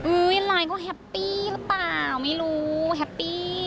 อื้อหลานเขาแฮปปี้หรือเปล่าไม่รู้แฮปปี้